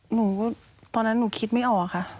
ตอนนั้นหนูคิดไม่ออกค่ะ